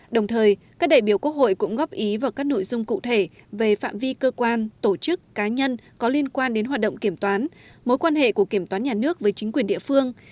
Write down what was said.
đồng thời các đại biểu quốc hội cũng góp ý vào các nội dung cụ thể về phạm vi cơ quan tổ chức cá nhân có liên quan đến hoạt động kiểm toán mối quan hệ của kiểm toán nhà nước với chính quyền địa phương